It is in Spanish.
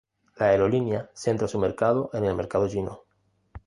La aerolínea centra su mercado en el mercado chino.